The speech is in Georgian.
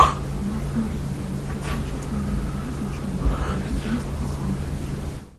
მართლმადიდებლურ ეკლესიაში წმინდანად არის მიჩნეული ყველა, ვინც არის სამოთხეში.